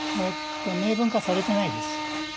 明文化されてないです。